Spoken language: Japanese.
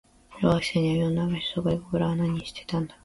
小学生には用のない場所。そこで僕らは何をしていたんだ。